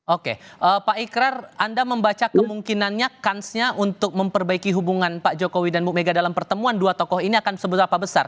oke pak ikrar anda membaca kemungkinannya kansnya untuk memperbaiki hubungan pak jokowi dan bu mega dalam pertemuan dua tokoh ini akan seberapa besar